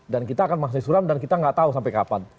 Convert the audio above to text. dan kita akan masih suram dan kita gak tahu sampai kapan